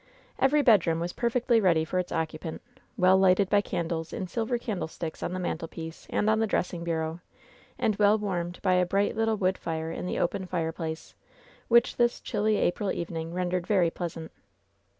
Every bedroom was perfectly ready for its occupant, well lighted by candles in silver candlesticks on the man telpiece and on the dressing bureau, and well warmed by a bright little wood fire in the open fireplace, which this chilly April evening rendered very pleasant.